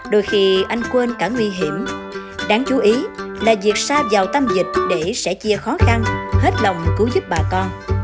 đôi khi anh quên cả nguy hiểm đáng chú ý là việc xa vào tâm dịch để sẽ chia khó khăn hết lòng cứu giúp bà con